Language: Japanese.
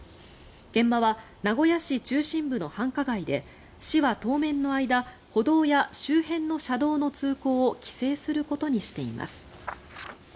現場は名古屋市中心部の繁華街で市は当面の間歩道や周辺の車道の通行を規制することにしています。